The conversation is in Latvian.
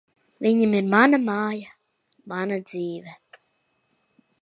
Viņam ir mana māja, mana dzīve.